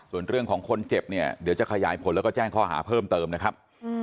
ส่วนเรื่องของคนเจ็บเนี่ยเดี๋ยวจะขยายผลแล้วก็แจ้งข้อหาเพิ่มเติมนะครับ